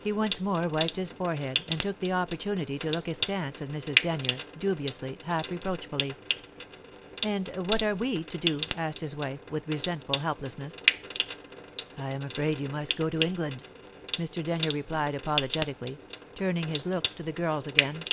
He once more wiped his forehead, and took the opportunity to look askance at Mrs. Denyer, dubiously, half reproachfully. "And what are we to do?" asked his wife, with resentful helplessness. "I am afraid you must go to England," Mr. Denyer replied apologetically, turning his look to the girls again.